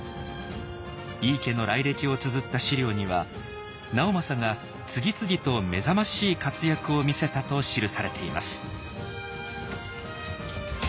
井伊家の来歴をつづった史料には直政が次々と目覚ましい活躍を見せたと記されています。